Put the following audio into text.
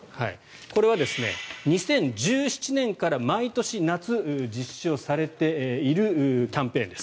これは２０１７年から毎年夏、実施をされているキャンペーンです。